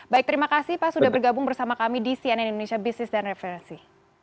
baik terima kasih pak sudah bergabung bersama kami di cnn indonesia business dan referensi